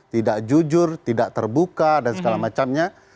tidak jujur tidak terbuka dan segala macamnya